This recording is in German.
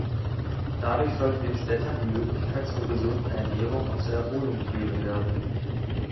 Dadurch sollte den Städtern die Möglichkeit zur gesunden Ernährung und zur Erholung gegeben werden.